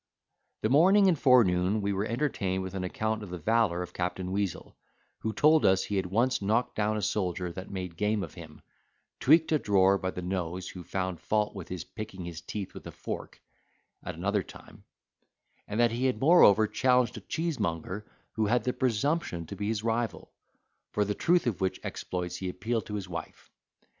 The morning and forenoon we were entertained with an account of the valour of Captain Weazel, who told us he had once knocked down a soldier that made game of him; tweaked a drawer by the nose, who found fault with his picking his teeth with a fork, at another time; and that he had moreover challenged a cheesemonger, who had the presumption to be his rival: for the truth of which exploits he appealed to his wife.